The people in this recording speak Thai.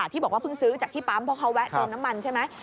ที่บอกว่าเพิ่งซื้อจากที่ปั๊มเพราะเขาแวะเติมน้ำมันใช่ไหม